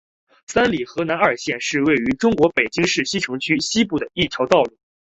三里河南二巷是位于中国北京市西城区西部的一条道路。